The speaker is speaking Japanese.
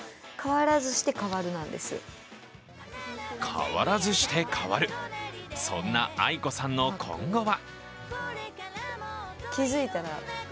変わらずして変わる、そんなａｉｋｏさんの今後は。